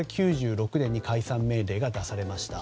９６年に解散命令が出されました。